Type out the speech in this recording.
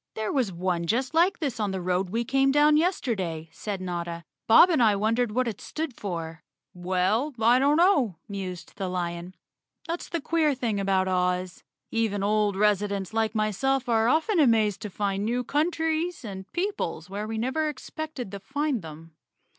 "There was one just like this on the road we came down yesterday," said Notta. "Bob and I wondered what it stood for." "Well, I don't know," mused the lion. "That's the queer thing about Oz. Even old residents like myself are often amazed to find new countries and peoples where we never expected to find them.